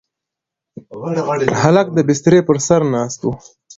هلک د بسترې پر سر ناست و.